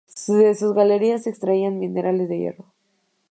De sus galerías se extraían minerales de hierro.